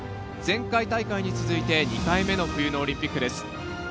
前回大会に続いて２回目の冬のオリンピックです。